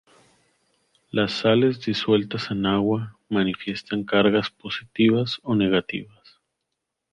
Las sales disueltas en agua manifiestan cargas positivas o negativas.